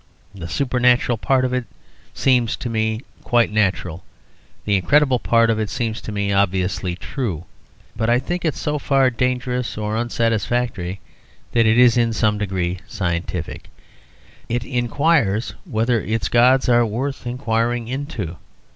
The supernatural part of it seems to me quite natural. The incredible part of it seems to me obviously true. But I think it so far dangerous or unsatisfactory that it is in some degree scientific. It inquires whether its gods are worth inquiring into.